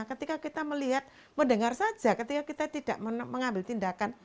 ketika kita melihat mendengar saja ketika kita tidak mengambil tindakan